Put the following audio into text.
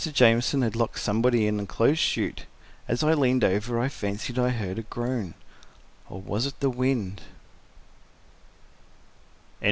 Jamieson had locked somebody in the clothes chute. As I leaned over I fancied I heard a groan—or was it the wind?